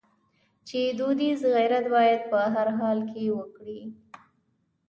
چې دودیز غیرت باید په هر حال کې وکړو.